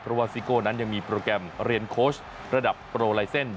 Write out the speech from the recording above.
เพราะว่าซิโก้นั้นยังมีโปรแกรมเรียนโค้ชระดับโปรไลเซ็นต์